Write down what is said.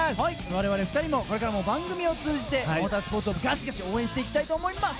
我々２人も番組を通じてモータースポーツをガシガシ応援していきたいと思います。